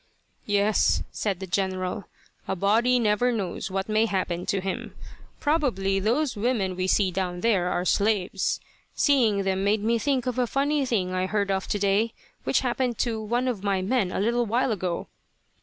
"Yes," said the General. "A body never knows what may happen to him. Probably those women we see down there are slaves. Seeing them made me think of a funny thing I heard of today, which happened to one of my men a little while ago.